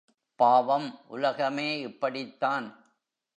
பாவம் உலகமே இப்படித்தான்.